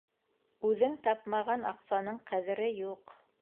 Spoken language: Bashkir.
Үҙең тапмаған аҡсаның ҡәҙере юҡ.